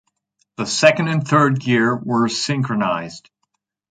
The second and third gear were synchronized.